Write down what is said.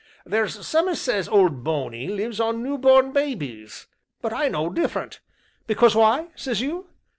There's some as says as Old Bony lives on new born babies, but I know different. Because why, says you?